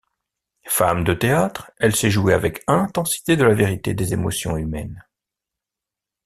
Femme de théâtre, elle sait jouer avec intensité de la vérité des émotions humaines.